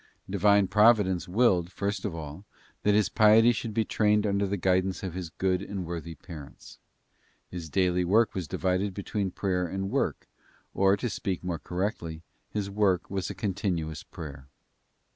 Divine Providence willed, first of all, that his piety should be trained under the guidance of his good and worthy parents. His daily work was divided between prayer and work, or, to speak more correctly, his work was a continuous prayer.